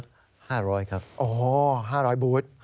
๕๐๐ครับ